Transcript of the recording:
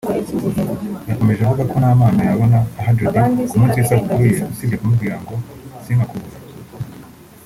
yakomeje avuga ko nta mpano yabona aha Jody ku munsi w’isabukuru ye usibye kumubwira ngo “Sinkakubure”